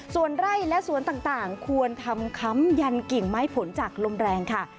ส่วนไร่และสวนต่างควรทำค้ำยันกิ่งไม้ผลจากลมแรงค่ะ